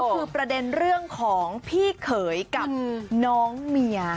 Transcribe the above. คือประเด็นเรื่องของพี่เขยกับน้องเมีย